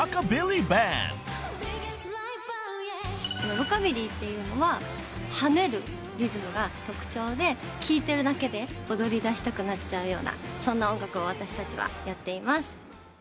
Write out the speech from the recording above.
ロカビリーっていうのははねるリズムが特徴で聴いてるだけで踊りだしたくなっちゃうようなそんな音楽を私たちはやっています。